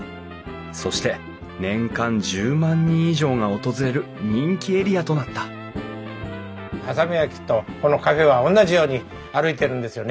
そして年間１０万人以上が訪れる人気エリアとなった波佐見焼とこのカフェは同じように歩いてるんですよね。